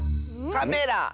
カメラ。